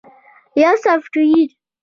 - یو سافټویر 📦